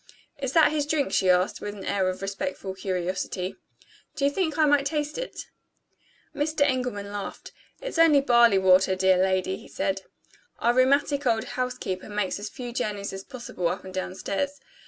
"Is that his drink?" she asked, with an air of respectful curiosity. "Do you think I might taste it?" Mr. Engelman laughed. "It's only barley water, dear lady," he said. "Our rheumatic old housekeeper makes as few journeys as possible up and down stairs.